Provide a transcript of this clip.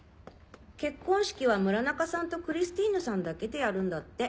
結婚式は村中さんとクリスティーヌさんだけでやるんだって。